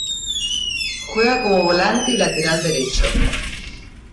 Juega como Volante y Lateral derecho.